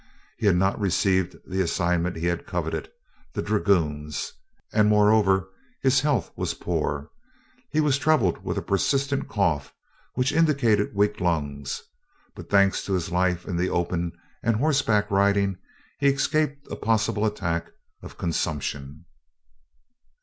He had not received the assignment he had coveted, the Dragoons; and moreover his health was poor. He was troubled with a persistent cough which indicated weak lungs but thanks to his life in the open and horseback riding he escaped a possible attack of consumption.